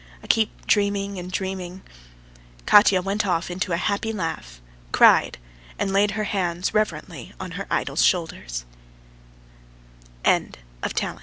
... I keep dreaming and dreaming. ..." Katya went off into a happy laugh, cried, and laid her hands reverently on her idol's sho